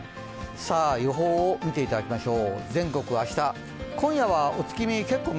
予報を見ていただきましょう。